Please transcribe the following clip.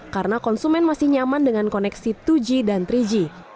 karena konsumen masih nyaman dengan koneksi dua g dan tiga g